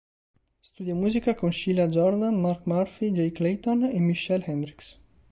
Studia musica con Sheila Jordan, Mark Murphy, Jay Clayton, e Michele Hendricks.